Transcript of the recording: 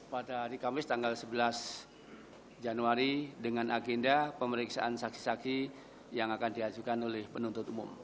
pada hari kamis tanggal sebelas januari dengan agenda pemeriksaan saksi saksi yang akan diajukan oleh penuntut umum